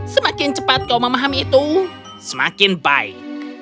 semakin cepat kau memahami itu semakin baik